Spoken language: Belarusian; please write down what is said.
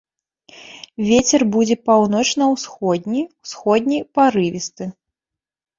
Вецер будзе паўночна-ўсходні, усходні парывісты.